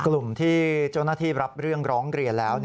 กลุ่มที่เจ้าหน้าที่รับเรื่องร้องเรียนแล้ว